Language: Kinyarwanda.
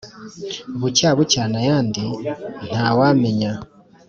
Bucya bucyana ayandi ntawa menya